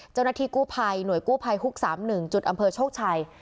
เจ้าหน้าที่กู้ภัยหน่วยกู้ภัยฮุก๓๑จุดอำเภอโชคชัย